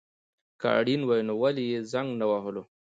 که اړين وای نو ولي يي زنګ نه وهلو